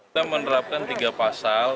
kita menerapkan tiga pasal